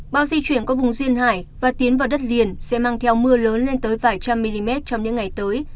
bão di chuyển qua vùng duyên hải và tiến vào đất liền sẽ mang theo mưa lớn lên tới vài trăm mm trong những ngày tới